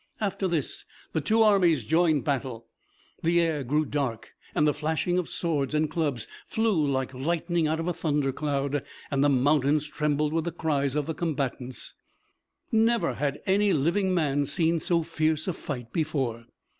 After this the two armies joined battle. The air grew dark, and the flashing of the swords and clubs flew like the lightning out of a thunder cloud, and the mountains trembled with the cries of the combatants. Never had any living man seen so fierce a fight before.